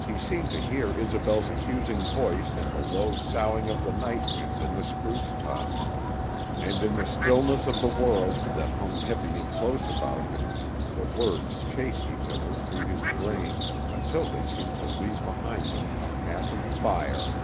He seemed to hear Isobel's accusing voice in the low soughing of the night wind in the spruce tops; and in the stillness of the world that hung heavy and close about him the words chased each other through his brain until they seemed to leave behind them a path of fire.